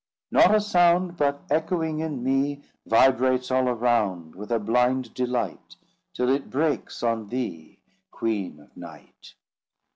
"Not a sound But, echoing in me, Vibrates all around With a blind delight, Till it breaks on Thee, Queen of Night!